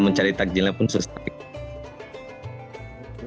mencari tak darling mengapa mas jules hai mendapat geli pampang ucuran mengapa mencapai once again